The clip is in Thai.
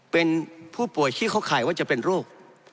เป็นผู้ป่วยที่เข้าข่ายว่าจะเป็นโรค